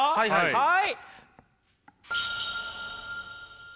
はい！